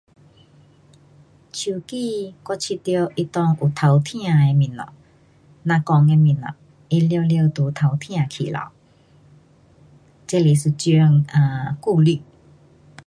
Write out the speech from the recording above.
手机我觉得它内有偷听的东西，咱讲的东西它全部都偷听去了。这是一种 um 顾虑。